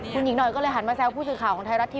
คุณหญิงหน่อยก็เลยหันมาแซวผู้สื่อข่าวของไทยรัฐทีวี